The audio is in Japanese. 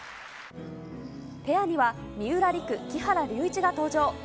ペアには三浦璃来・木原龍一が登場。